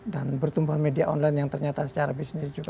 dan bertumbuh media online yang ternyata secara bisnis juga